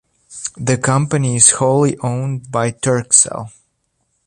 The company is wholly owned by Turkcell.